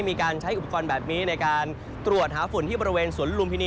มีการใช้อุปกรณ์แบบนี้ในการตรวจหาฝุ่นที่บริเวณสวนลุมพินี